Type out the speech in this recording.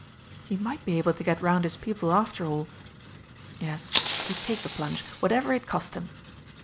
He might be able to get round his people after all.... Yes, he'd take the plunge, whatever it cost him.